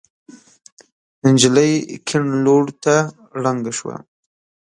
نجلۍ کيڼ لور ته ړنګه شوه.